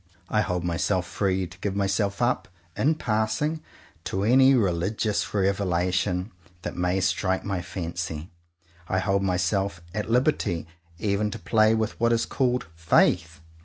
I hold myself free to give myself up, in passing, to any religious revelation that may strike my fancy. I hold myself at liberty even to play with what is called "Faith."